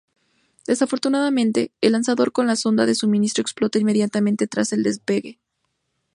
Desafortunadamente, el lanzador con la sonda de suministro explota inmediatamente tras el despegue.